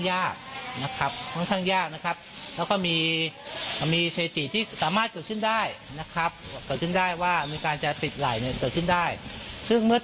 แรงใดแรกก็เป็นเป็นคณะภูเขาภู